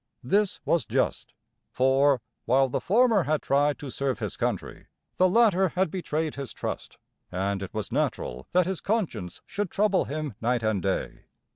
This was just; for, while the former had tried to serve his country, the latter had betrayed his trust, and it was natural that his conscience should trouble him night and day.